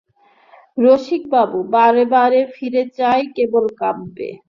রসিকবাবু, বারে বারে ফিরে চায় কেবল কাব্যে।